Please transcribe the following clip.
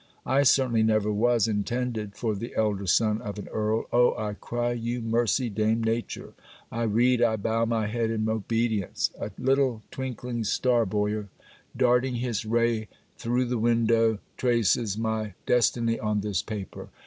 I certainly never was intended for the elder son of an Earl. Oh, I cry you mercy, Dame Nature! I read, I bow my head in obedience. A little twinkling star, Boyer, darting his ray throw the window, traces my destiny on this paper.